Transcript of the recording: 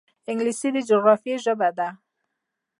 انګلیسي د جغرافیې ژبه ده